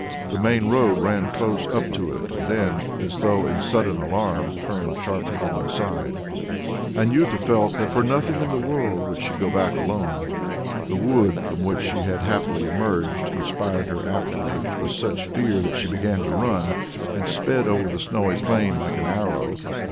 The main road ran close up to it and then, as though in sudden alarm, turned sharply to one side. Anjuta felt that for nothing in the world would she go back alone. The wood from which she had happily emerged inspired her afterwards with such fear, that she began to run, and sped over the snowy plain like an arrow.